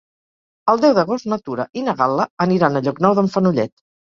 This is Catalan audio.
El deu d'agost na Tura i na Gal·la aniran a Llocnou d'en Fenollet.